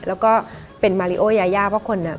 แล้วก็เป็นมาริโอยายาเพราะคนอ่ะ